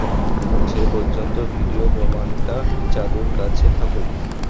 সে পর্যন্ত ভিডিও প্রমাণটা চারুর কাছে থাকুক।